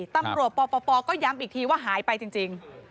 ตำรวจปปก็ย้ำอีกทีว่าหายไปจริง